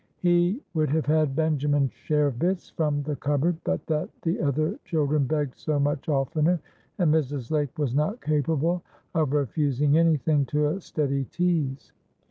He would have had Benjamin's share of "bits" from the cupboard, but that the other children begged so much oftener, and Mrs. Lake was not capable of refusing any thing to a steady tease.